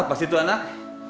kenapa sih tuh anak